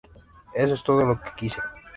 Eso es todo lo que quise.